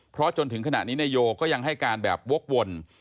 เพราะจนถึงขณะนี้นายโยก็ยังให้การแบบวกวน